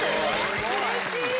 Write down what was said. うれしい！